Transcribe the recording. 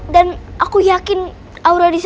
dan aku yakin aura disana